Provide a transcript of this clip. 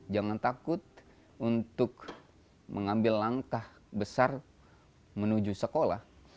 jangan takut untuk mengambil langkah besar menuju sekolah